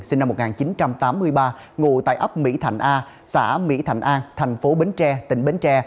sinh năm một nghìn chín trăm tám mươi ba ngụ tại ấp mỹ thạnh a xã mỹ thạnh an tp bến tre tỉnh bến tre